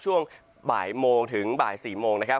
ช่วงบ่ายโมงถึงบ่าย๔โมงนะครับ